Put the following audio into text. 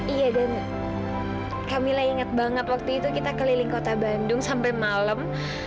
iya dan kak mila inget banget waktu itu kita keliling kota bandung sampai malam